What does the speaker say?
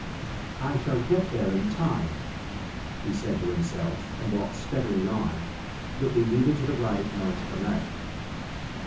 "I shall get there in time," he said to himself, and walked steadily on, looking neither to the right nor to the left.